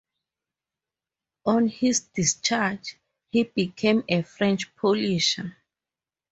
On his discharge, he became a French polisher.